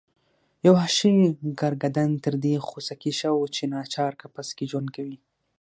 یو وحشي ګرګدن تر دې خوسکي ښه و چې ناچار قفس کې ژوند کوي.